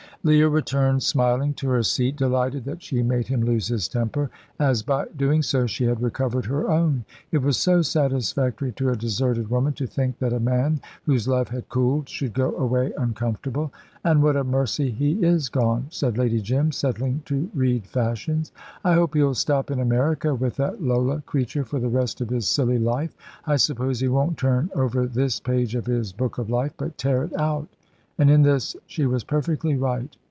Leah returned smiling to her seat, delighted that she made him lose his temper, as by doing so she had recovered her own. It was so satisfactory to a deserted woman to think that a man whose love had cooled should go away uncomfortable. "And what a mercy he is gone," said Lady Jim, settling to read fashions. "I hope he'll stop in America with that Lola creature for the rest of his silly life. I suppose he won't turn over this page of his book of life, but tear it out." And in this she was perfectly right.